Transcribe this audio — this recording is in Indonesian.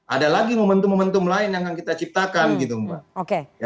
ada lagi momentum momentum lain yang akan kita ciptakan gitu mbak